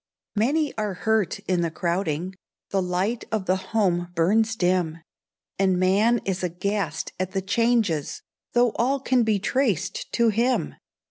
Many are hurt in the crowding, The light of the home burns dim; And man is aghast at the changes, Though all can be traced to him.